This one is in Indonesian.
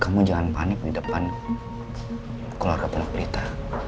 kamu jangan panik di depan keluarga pendok berita